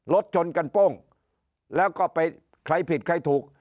รถชนกันโป้งแล้วก็ไปใครผิดใครถูก